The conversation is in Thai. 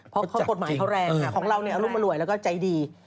เพราะกฎหมายเขาแรงของเราเนี่ยอรุมอร่วยแล้วก็ใจดี